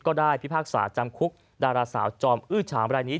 ก็ได้พิพากษาจำคุกดาราสาวจอมอื้อฉามอะไรอย่างนี้